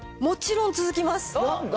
もちろん続きます。